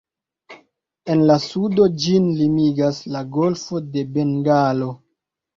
En la sudo ĝin limigas la golfo de Bengalo.